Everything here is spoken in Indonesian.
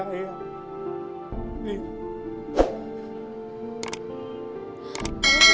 eh permisi ibu